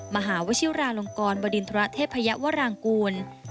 มหาวชิราลงกรบดินทรเทพยวรางกูล